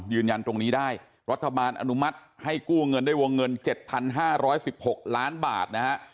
ยืนยันตรงนี้ได้รัฐบาลอนุมัติให้กู้เงินด้วยวงเงิน๗๕๑๖ล้านบาทนะฮะ